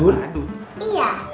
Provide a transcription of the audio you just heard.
sampai jumpa lagi